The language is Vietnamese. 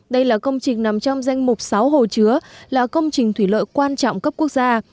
đây là công trình nằm trong danh mục sáu hồ chứa là công trình thủy lợi quan trọng cấp quốc gia